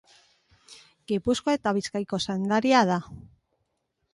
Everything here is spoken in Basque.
Gipuzkoa eta Bizkaiko zaindaria da.